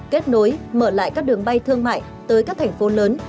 kết nối mở lại các đường bay thương mại tới các thành phố lớn